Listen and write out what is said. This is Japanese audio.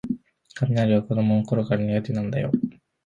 雷は子どものころから苦手なんだよ